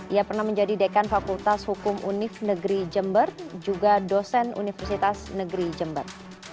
ia pernah menjadi dekan fakultas hukum unif negeri jember juga dosen universitas negeri jember